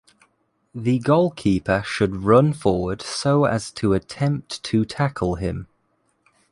The goalkeeper should run forward so as to attempt to tackle him.